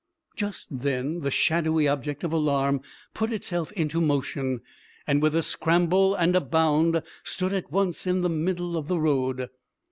Just then the shadowy object of alarm put itself in motion, and with a scramble and a bound stood at once in the middle of the road.